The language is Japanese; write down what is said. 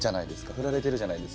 振られてるじゃないですか。